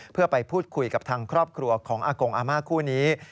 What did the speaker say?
เพื่อไปพูดคุยกับทางครอบครัวของอากงอาม่าคู่นี้